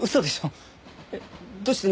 えっどうして私が？